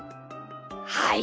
はい。